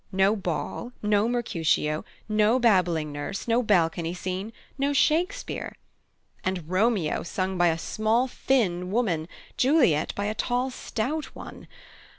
No ball, no Mercutio, no babbling Nurse, no balcony scene, no Shakespeare! And Romeo sung by a small thin woman, Juliet by a tall stout one.